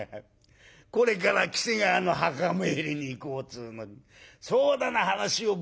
これから喜瀬川の墓参りに行こうつうのにそうだな話をぶつやつがあるか！」。